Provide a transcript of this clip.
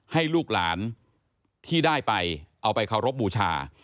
ให้ลูกหลานที่ได้ไปเอาไปเคารพบูชา